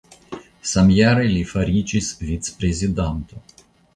Samjare li fariĝis vicprezidanto.